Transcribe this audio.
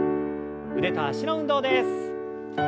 腕と脚の運動です。